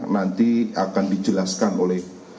nanti akan dijelaskan oleh